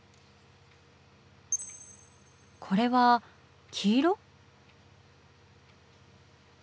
これは黄色？